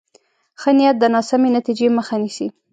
ښه نیت د ناسمې نتیجې مخه نیسي.